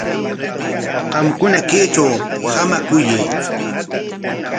Qamkuna kaytraw hamakuyay.